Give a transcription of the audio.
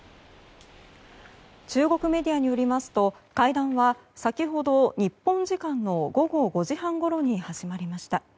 中国メディアによりますと会談は先ほど日本時間の午後５時半ごろに始まりました。